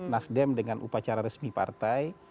nasdem dengan upacara resmi partai